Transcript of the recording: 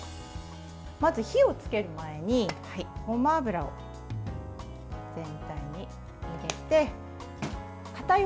まず火をつける前にごま油を全体に入れてかたい